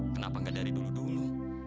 kenapa gak dari dulu dulu